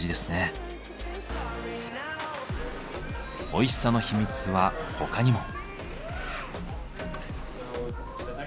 おいしさの秘密は他にも。